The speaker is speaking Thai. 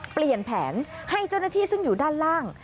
เปลี่ยนแผนให้เจ้าหน้าที่ซึ่งอยู่ด้านล่าง